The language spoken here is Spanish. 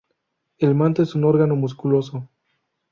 El manto es un órgano musculoso.